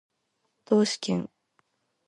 統帥権